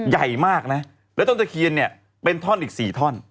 ใหญ่มากและต้นตะเคียนเป็นท่อนอีก๔ท่อน